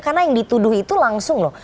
karena yang dituduh itu langsung loh